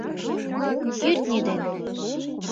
Кӱртньӧ ден